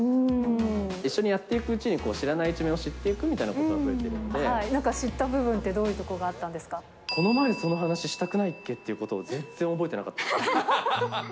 一緒にやっていくうちに知らない一面を知っていくということなんか知った部分って、この前その話しなかったっけ？っていうことを全然覚えてなかった。